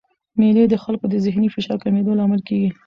مېلې د خلکو د ذهني فشار د کمېدو لامل کېږي.